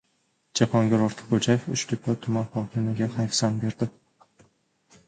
Jahongir Ortiqxo‘jayev Uchtepa tuman hokimiga hayfsan berdi